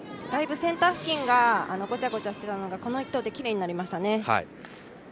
だいぶセンター付近がごちゃごちゃしてたのがこの１投できれいになりましたね。